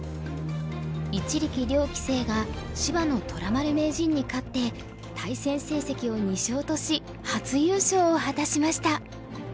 一力遼棋聖が芝野虎丸名人に勝って対戦成績を２勝とし初優勝を果たしました。